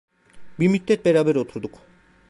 Bir müddet beraber oturduk.